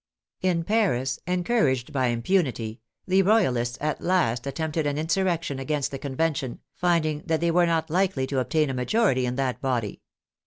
In Paris, encouraged by impunity, the Royalists at last attempted an insurrection against the Convention, find ing that they were not likely to obtain a majority in that body.